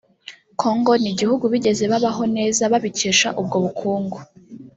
Congo ni igihugu bigeze babaho neza babikesha ubwo bukungu